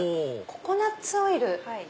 ココナツオイル！